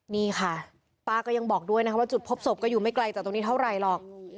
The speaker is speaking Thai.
นี่ค่ะป้าก็ยังบอกด้วยนะคะว่าจุดพบศพก็อยู่ไม่ไกลจากตรงนี้เท่าไหร่หรอก